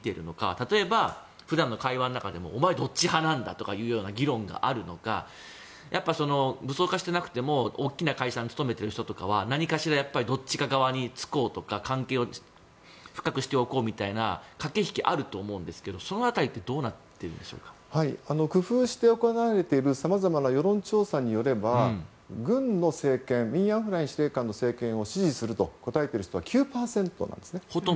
例えば、普段の会話の中でもお前、どっち派なんだ？という議論があるのか武装化してなくても大きな会社に勤めてる人とかは何かしら、どっち側につこうとか関係を深くしておこうみたいな駆け引きがあると思うんですけどその辺りって工夫して行われているさまざまな世論調査によれば軍の政権ミン・アウン・フライン氏の政権を支持すると答えている人は９％なんですね。